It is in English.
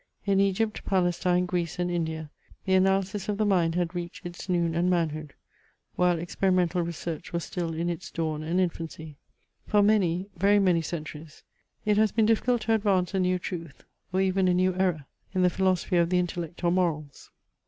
In Egypt, Palestine, Greece, and India the analysis of the mind had reached its noon and manhood, while experimental research was still in its dawn and infancy. For many, very many centuries, it has been difficult to advance a new truth, or even a new error, in the philosophy of the intellect or morals.